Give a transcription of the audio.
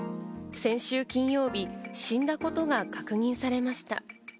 先週金曜日、死んだことが確認されました。